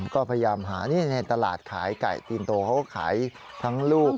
ก็พยายามหาในตลาดขายไก่ตีนโตเขาก็ขายทั้งลูก